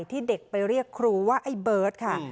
ที่เด็กไปเรียกครูว่าไอ้เบิร์ตค่ะ